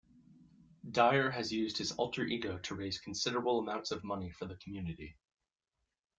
Dyer has used his alter-ego to raise considerable amounts of money for the community.